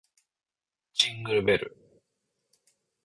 ジングルベル